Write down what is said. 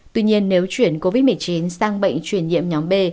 tuy nhiên nếu chuyển covid một mươi chín sang bệnh truyền nhiễm nhóm b